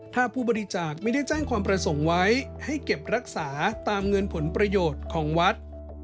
ถ้าผู้บริจาคไม่ได้แจ้งความประสงค์ไว้ให้เก็บรักษาตามเงินผลประโยชน์ของวัด